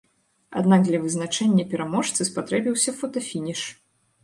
Аднак для вызначэння пераможцы спатрэбіўся фотафініш.